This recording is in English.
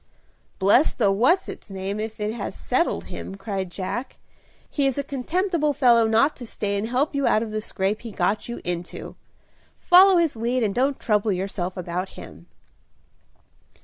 "Bless the what's its name if it has settled him," cried Jack. "He is a contemptible fellow not to stay and help you out of the scrape he got you into. Follow his lead and don't trouble yourself about him."